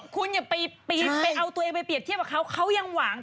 คุณอย่าไปเอาตัวเองไปเรียบเทียบกับเขาเขายังหวัง